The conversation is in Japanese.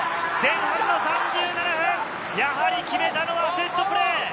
前半の３７分、やはり決めたのはセットプレー。